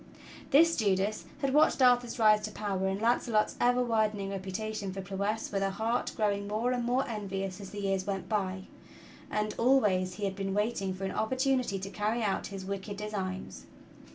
This Judas had watched Arthur's rise to power and Launcelot's ever widening reputation for prowess with a heart growing more and more envious as the years went by; and always he had been waiting for an opportunity to carry out his wicked designs.